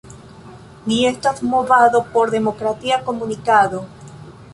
Ni estas movado por demokratia komunikado.